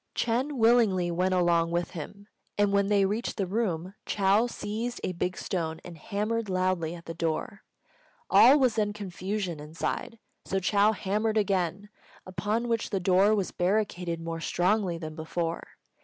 Ch'êng willingly went along with him; and when they reached the room, Chou seized a big stone and hammered loudly at the door. All was then confusion inside, so Chou hammered again, upon which the door was barricaded more strongly than before.